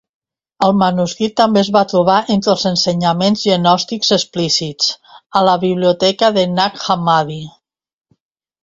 El manuscrit també es va trobar entre ensenyaments gnòstics explícits a la biblioteca de Nag Hammadi.